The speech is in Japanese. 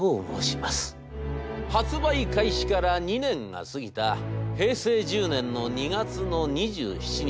発売開始から２年が過ぎた平成１０年の２月の２７日。